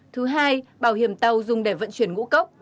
thứ hai bảo hiểm tàu dùng để vận chuyển ngũ cốc